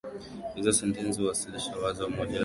Hizo sentensi huwasilisha wazo moja kwa kishazi huru.